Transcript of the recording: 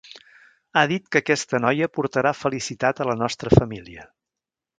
Ha dit que aquesta noia portarà felicitat a la nostra família.